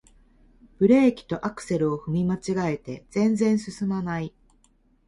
ブレーキとアクセルを踏み間違えて全然すすまない